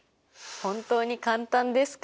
本当に簡単ですか？